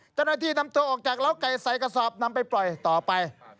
เจ้าหน้าที่นำตัวออกจากเล้าไก่ใส่กระสอบนำไปปล่อยต่อไป